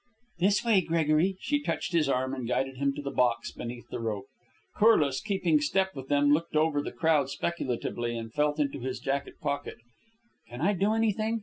"This way, Gregory." She touched his arm and guided him to the box beneath the rope. Corliss, keeping step with them, looked over the crowd speculatively and felt into his jacket pocket. "Can I do anything?"